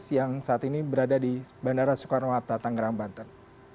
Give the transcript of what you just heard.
yang saat ini berada di bandara soekarno hatta tangerang banten